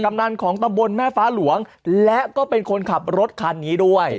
ำนันของตำบลแม่ฟ้าหลวงและก็เป็นคนขับรถคันนี้ด้วย